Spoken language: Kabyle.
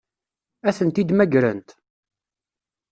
Ad tent-id-mmagrent?